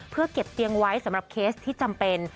เพื่อเก็บเตียงไว้สำหรับเคสที่จำเป็น